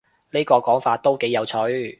呢個講法都幾有趣